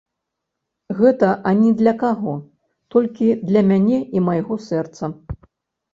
Гэта ані для каго, толькі для мяне і майго сэрца.